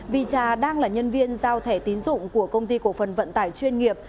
vì trà đang là nhân viên giao thẻ tín dụng của công ty cổ phần vận tải chuyên nghiệp